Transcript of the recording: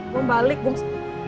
gue balik gue masih